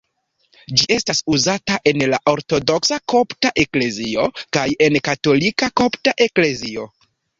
Ĝi estas uzata en la Ortodoksa Kopta Eklezio kaj en la Katolika Kopta Eklezio.